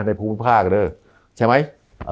ในภูมิภาคเด้อใช่ไหม